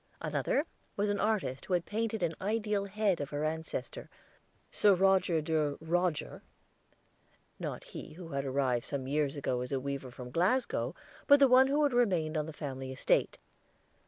Another was an artist who had painted an ideal head of her ancestor, Sir Roger de Roger, not he who had arrived some years ago as a weaver from Glasgow, but the one who had remained on the family estate.